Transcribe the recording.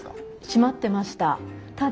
閉まってました。